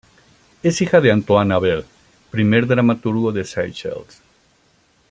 Es hija de Antoine Abel, primer dramaturgo de Seychelles.